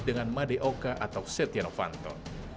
dengan madeoka atau setia novanto